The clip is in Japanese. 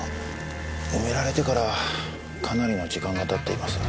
埋められてからかなりの時間が経っています。